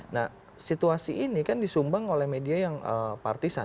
nah situasi ini kan disumbang oleh media yang partisan